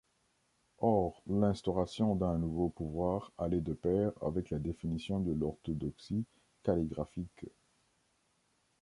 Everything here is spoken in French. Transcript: Or l'instauration d'un nouveau pouvoir allait de pair avec la définition de l'orthodoxie calligraphique.